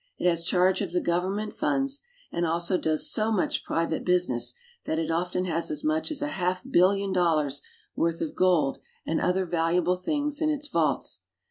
It has charge of the government funds, and also does so much private business that it often has as much as a half billion dollars worth of gold and other valuable things in its vaults.